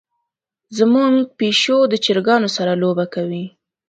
زمونږ پیشو د چرګانو سره لوبه کوي.